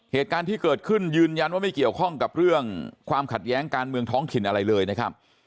เหตุการณ์ที่เกิดขึ้นยืนยันว่าไม่เกี่ยวข้องกับเรื่องความขัดแย้งการเมืองท้องถิ่นอะไรเลยนะครับ